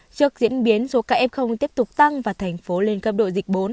trước diễn biến số ca f tiếp tục tăng và thành phố lên cấp độ dịch bốn